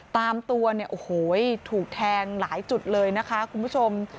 ตามตัวเนี่ยโอ้โหถูกแทงหลายจุดเลยนะคะคุณผู้ชม